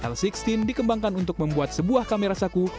l enam belas dikembangkan untuk membuat sebuah kamera saku